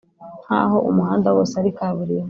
nk’aho umuhanda wose ari kaburimbo